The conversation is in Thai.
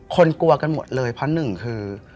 กลัวกันหมดเลยเพราะหนึ่งคือ